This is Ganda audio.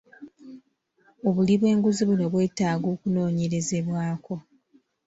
Obuli bw'enguzi buno bwetaaga okunoonyerezebwako.